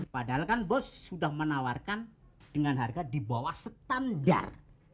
padahal kan bos sudah menawarkan dengan harga di bawah standar